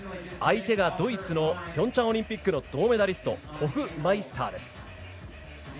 相手がドイツのピョンチャンオリンピックの銅メダリストホフマイスターです。